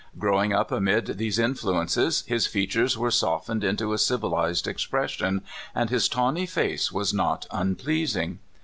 Growing up amid these influences, his features were softened into a civilized expression, and his tawny face w^as not unpleasing.